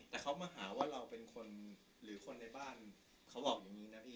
แต่เขามาหาว่าเราเป็นคนหรือคนในบ้านเขาบอกอย่างนี้นะพี่